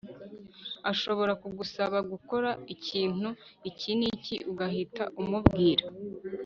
Ashobora kugusaba gukora ikintu iki n iki ugahita umubwira